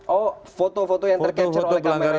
oh foto foto yang tercancur oleh kamera itu tadi